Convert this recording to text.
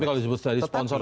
tapi kalau disebut sponsor